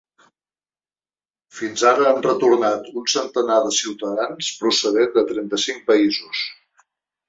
Fins ara han retornat un centenar de ciutadans procedents de trenta-cinc països.